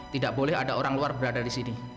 tidak boleh ada orang luar berada di sini